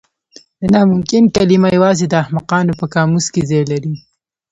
د ناممکن کلمه یوازې د احمقانو په قاموس کې ځای لري.